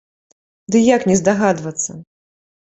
Ды як не здагадвацца?